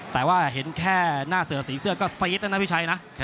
แต่ว่าเห็นแค่หน้าเสือสีเสื้อก็ซีดแล้วนะพี่ชัยนะ